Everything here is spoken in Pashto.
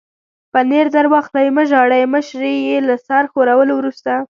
پنیر در واخلئ، مه ژاړئ، مشرې یې له سر ښورولو وروسته.